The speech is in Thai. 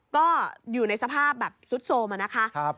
ก็อยู่ในสภาพแบบสุดโทรมอะนะคะ